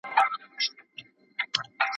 سبا اختر دی موري زه نوې بګړۍ نه لرم